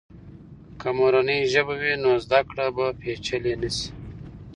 که مورنۍ ژبه وي، نو زده کړه به پیچلې نه سي.